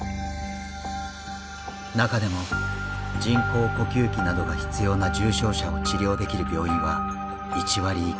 中でも人工呼吸器などが必要な重症者を治療できる病院は１割以下。